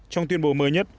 trong tuyên bộ mới nhất